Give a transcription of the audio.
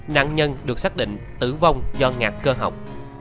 nạn nhân được xác định tử vong do ngạc cơ học